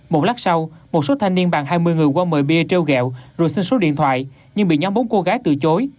một lắc sau một số thanh niên bàn hai mươi người qua mời bia treo gẹo rồi xin số điện thoại nhưng bị nhóm bốn cô gái từ chối